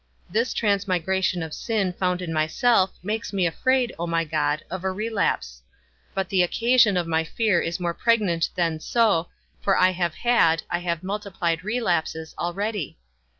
This transmigration of sin found in myself, makes me afraid, O my God, of a relapse; but the occasion of my fear is more pregnant than so, for I have had, I have multiplied relapses already.